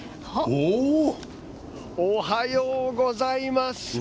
おはようございます。